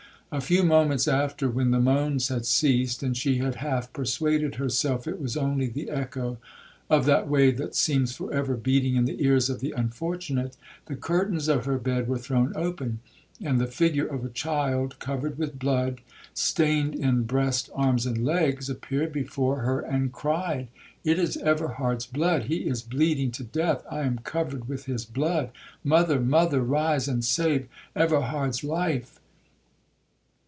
A few moments after, when the moans had ceased, and she had half persuaded herself it was only the echo of that wave that seems for ever beating in the ears of the unfortunate,—the curtains of her bed were thrown open, and the figure of a child covered with blood, stained in breast, arms, and legs, appeared before her, and cried,—'It is Everhard's blood—he is bleeding to death,—I am covered with his blood!—Mother—mother—rise and save Everhard's life!'